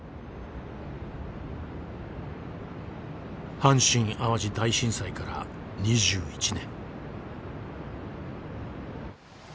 阪神・淡路大震災から２１年。